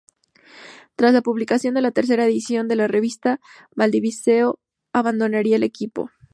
Tras la publicación de la tercera edición de la revista, Valdivieso abandonaría el equipo.